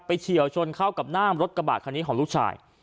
เฉียวชนเข้ากับหน้ารถกระบาดคันนี้ของลูกชาย